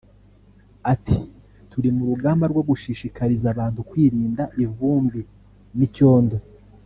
Ati “Turi mu rugamba rwo gushishikariza abantu kwirinda ivumbi n’icyondo